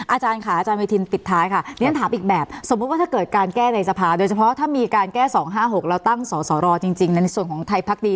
อาจารย์ค่ะอาจารย์เวทินปิดท้ายค่ะเรียนถามอีกแบบสมมุติว่าถ้าเกิดการแก้ในสภาโดยเฉพาะถ้ามีการแก้๒๕๖แล้วตั้งสอสอรอจริงในส่วนของไทยพักดี